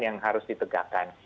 yang harus ditegakkan